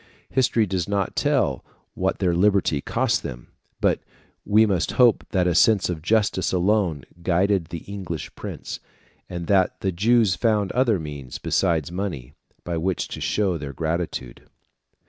History does not tell what their liberty cost them; but we must hope that a sense of justice alone guided the English prince, and that the Jews found other means besides money by which to show their gratitude.